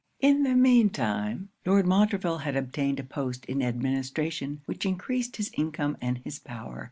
In the mean time, Lord Montreville had obtained a post in administration which encreased his income and his power.